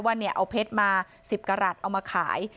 ว่าเอาเพชรมา๑๐กรัฐเอามาขาย